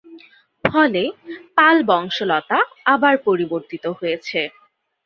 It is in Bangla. ফলে পাল-বংশলতা আবার পরিবর্তিত হয়েছে।